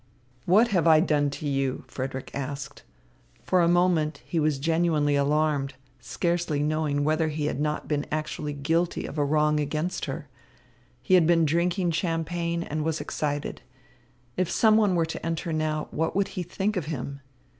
"What have I done to you?" Frederick asked. For a moment he was genuinely alarmed, scarcely knowing whether he had not been actually guilty of a wrong against her. He had been drinking champagne and was excited. If someone were to enter now, what would he think of him?